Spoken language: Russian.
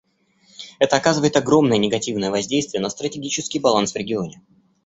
Это оказывает огромное негативное воздействие на стратегический баланс в регионе.